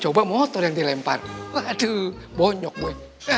coba motor yang dilempar waduh bonyok bonyo